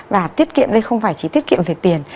và tiết kiệm đây không phải chỉ tiết kiệm về tiền